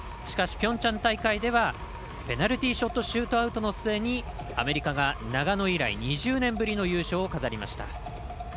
しかし、ピョンチャン大会ではペナルティーショットシュートアウトの末、アメリカが長野以来２０年ぶりの優勝を飾りました。